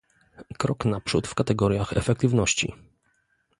Krok naprzód w kategoriach efektywności